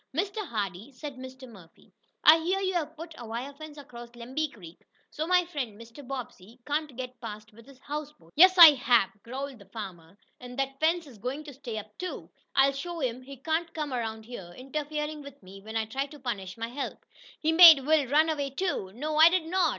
"Mr. Hardee," said Mr. Murphy, "I hear you have put a wire fence across Lemby Creek, so my friend, Mr. Bobbsey, can't get past with his houseboat." "Yes, I have," growled the farmer, "and that fence is going to stay up, too! I'll show him he can't come around here, interferin' with me when I try to punish my help. He made Will run away too." "No, I did not.